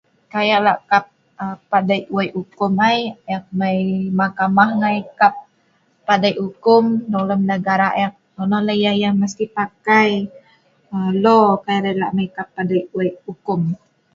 Kai ek lah kap padei' wei' ukum ai, ek mai makamah ngai kap padei' ukum dong lem negara ek, nonoh lah yah, yah mesti pakai lo kai arai lah' mai kap padei' wei' ukum